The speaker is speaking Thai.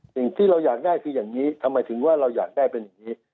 สิ่งที่เราอยากได้คืออย่างนี้ทำไมถึงว่าเราอยากได้เป็นอย่างนี้